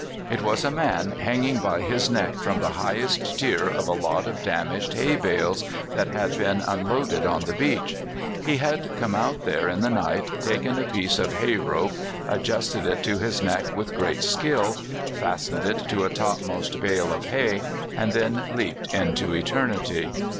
It was a man hanging by his neck from the highest tier of a lot of damaged hay bales that had been unloaded on the beach. He had come out there in the night, taken a piece of hay rope, ad justed it to his neck with great skill, fastened it to a topmost bale of hay, and then leaped into eter nity.